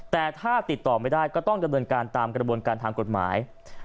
แต่ถ้าติดต่อไม่ได้ก็ต้องดำเนินการตามกระบวนการทางกฎหมาย